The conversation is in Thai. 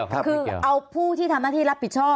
คือเอาผู้ที่ทำหน้าที่รับผิดชอบ